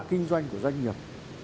kinh doanh của doanh nghiệp